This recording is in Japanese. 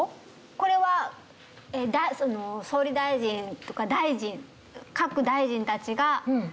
これは総理大臣とか大臣各大臣たちが。